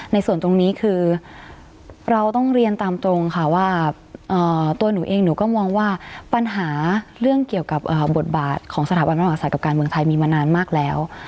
ในส่วนตรงนี้คือเราต้องเรียนตามตรงค่ะว่าตัวหนูเองหนูก็มองว่าปัญหาเรื่องเกี่ยวกับบทบาทของสถาบันพระมหาศัตวกับการเมืองไทยมีมานานมากแล้ว